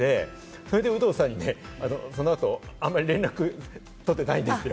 そして有働さんにそのあとあまり連絡、取ってないんですよ。